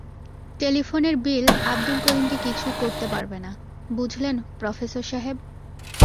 টেলিফোনের বিল আবদুল করিমকে কিছু করতে পারবে না, বুঝলেন প্রফেসর সাহেব?